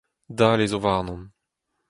Dale zo warnon